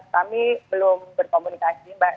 kami belum berkomunikasi mbak